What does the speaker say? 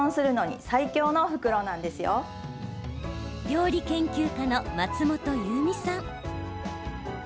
料理研究家の松本有美さん。